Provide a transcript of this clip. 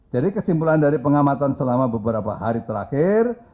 jadi kesimpulan dari pengamatan selama beberapa hari terakhir